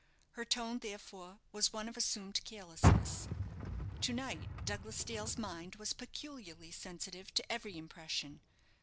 Her tone, therefore, was one of assumed carelessness. To night Douglas Dale's mind was peculiarly sensitive to every impression.